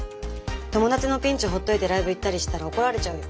友達のピンチほっといてライブ行ったりしたら怒られちゃうよ。